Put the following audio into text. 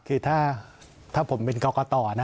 คือถ้าผมเป็นกรกตนะ